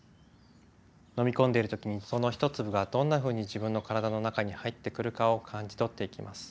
飲み込んでる時にその一粒がどんなふうに自分の体の中に入ってくるかを感じ取っていきます。